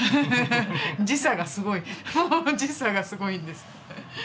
時差がすごい時差がすごいんですよ。